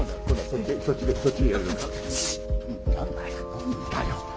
何だよ？